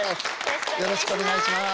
よろしくお願いします。